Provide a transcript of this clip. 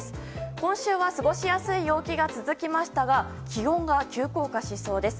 今週は過ごしやすい陽気が続きましたが気温が急降下しそうです。